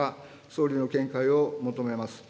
総理の見解を求めます。